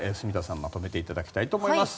まとめていただきたいと思います。